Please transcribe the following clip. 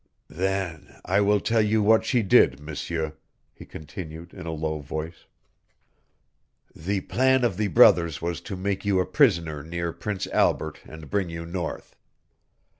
"Then I will tell you what she did, M'seur," he continued in a low voice. "The plan of the brothers was to make you a prisoner near Prince Albert and bring you north.